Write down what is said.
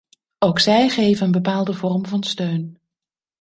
Ook zij geven een bepaalde vorm van steun.